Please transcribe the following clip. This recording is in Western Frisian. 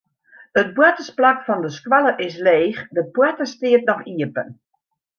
It boartersplak fan de skoalle is leech, de poarte stiet noch iepen.